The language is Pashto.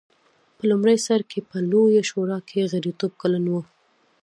په لومړي سر کې په لویه شورا کې غړیتوب کلن و.